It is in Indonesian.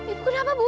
ibu kenapa bu